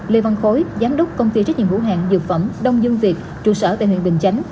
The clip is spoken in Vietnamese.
lê văn khối giám đốc công ty trách nhiệm hữu hạng dược phẩm đông dương việt trụ sở tại huyện bình chánh